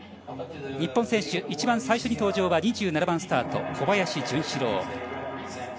日本選手、一番最初に登場は２７番スタート、小林潤志郎。